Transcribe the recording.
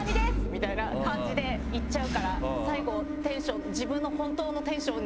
みたいな感じでいっちゃうから最後テンション。